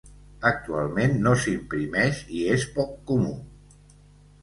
Actualment no s'imprimeix i és poc comú.